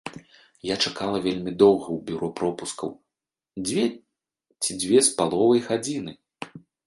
Я чакала вельмі доўга ў бюро пропускаў, дзве ці дзве з паловай гадзіны.